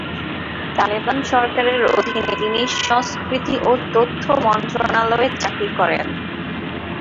তালেবান সরকারের অধীনে তিনি সংস্কৃতি ও তথ্য মন্ত্রণালয়ে চাকরি করেন।